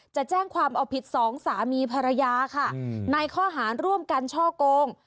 จะแจ้งความเอาผิดสองสามีภรรยาค่ะในข้อหารร่วมกันช่อกง